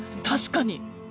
確かに！